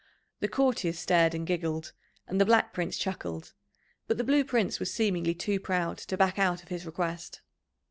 The courtiers stared and giggled, and the Black Prince chuckled, but the Blue Prince was seemingly too proud to back out of his request.